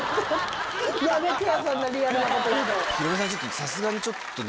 さすがにちょっとね。